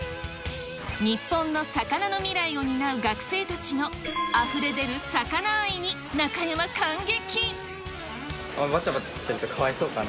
日本の魚の未来を担う学生たちのあふれ出る魚愛に、中山感激。